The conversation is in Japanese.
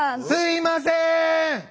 すいません！